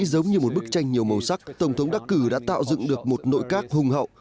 giống như một bức tranh nhiều màu sắc tổng thống đắc cử đã tạo dựng được một nội các hùng hậu